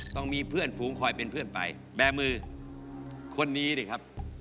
ต้องมีเพื่อนฝูงคอยเป็นเพื่อนไปแบร์มือคนนี้ดิครับ